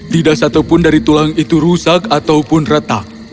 tidak satupun dari tulang itu rusak ataupun retak